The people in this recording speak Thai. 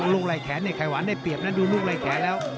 ลูกไล่แขนเนี่ยไข่หวานได้เปรียบนะดูลูกไล่แขนแล้ว